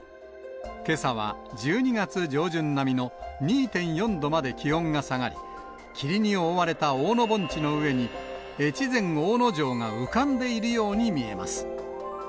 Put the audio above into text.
けさは１２月上旬並みの２．４度まで気温が下がり、霧に覆われた大野盆地の上に、越前大野城が浮かんでいるように見えます。